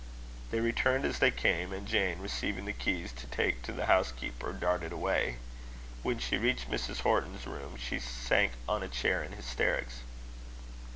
They returned as they came; and Jane receiving the keys to take to the housekeeper, darted away. When she reached Mrs. Horton's room, she sank on a chair in hysterics.